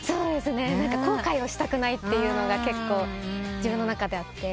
後悔をしたくないというのが結構自分の中であって。